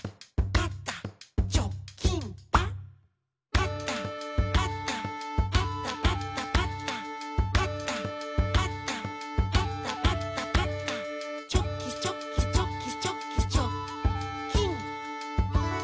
「パタパタパタパタパタ」「パタパタパタパタパタ」「チョキチョキチョキチョキチョッキン！」